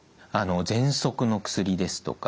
ぜんそくの薬ですとか